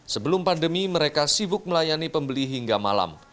sebelum pandemi mereka sibuk melayani pembeli hingga malam